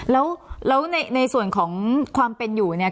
แล้วในส่วนของความเป็นอยู่เนี่ย